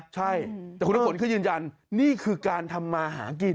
ใช่แต่คุณน้ำฝนเขายืนยันนี่คือการทำมาหากิน